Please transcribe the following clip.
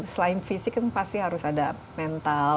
selain fisik kan pasti harus ada mental